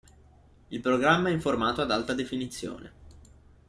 Il programma è in formato ad alta definizione.